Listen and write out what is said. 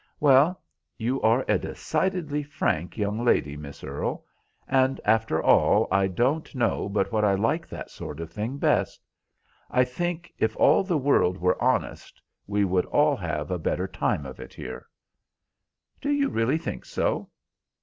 "Well, you are a decidedly frank young lady, Miss Earle; and, after all, I don't know but what I like that sort of thing best. I think if all the world were honest we would all have a better time of it here." "Do you really think so?"